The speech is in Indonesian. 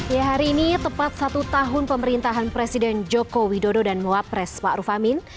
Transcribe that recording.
ya hari ini tepat satu tahun pemerintahan presiden joko widodo dan mua pres pak rufamin